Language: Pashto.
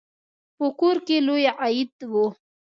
په کور کې لوی عید و.